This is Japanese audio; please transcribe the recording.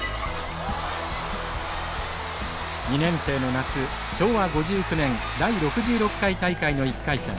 ２年生の夏、昭和５９年第６６回大会の１回戦。